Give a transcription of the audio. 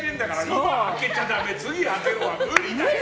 今、開けちゃダメ次、開けるわは無理だよ。